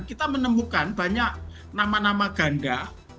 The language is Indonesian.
kita menemukan banyak nama nama ganda